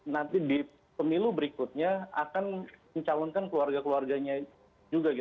nanti di pemilu berikutnya akan mencalonkan keluarga keluarganya juga